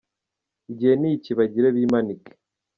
Igihe ni iki bagire bimanike ».